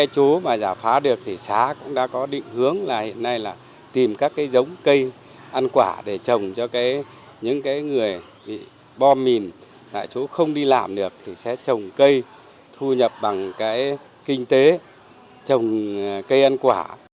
chỗ mà giả phá được thì xá cũng đã có định hướng là hiện nay là tìm các cái giống cây ăn quả để trồng cho những người bị bom mìn tại chỗ không đi làm được thì sẽ trồng cây thu nhập bằng cái kinh tế trồng cây ăn quả